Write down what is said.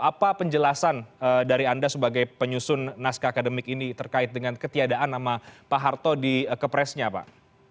apa penjelasan dari anda sebagai penyusun naskah akademik ini terkait dengan ketiadaan nama pak harto di kepresnya pak